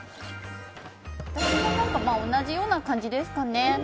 私も同じような感じですかね。